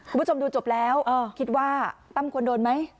คุณผู้ชมดูจบแล้วคิดว่าตั้มควรโดนไหม